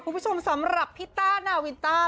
คุณผู้ชมสำหรับพี่ต้านาวินต้า